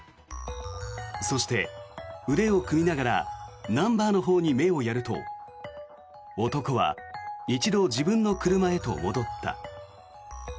そして、腕を組みながらナンバーのほうに目をやると男は一度、自分の車へと戻った。